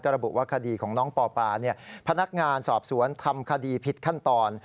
ระบุว่าคดีของน้องปอปาพนักงานสอบสวนทำคดีผิดขั้นตอน